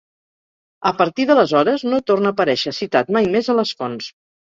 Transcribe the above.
A partir d'aleshores no torna a aparèixer citat mai més a les fonts.